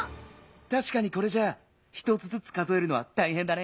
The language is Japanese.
たしかにこれじゃあ１つずつ数えるのはたいへんだね。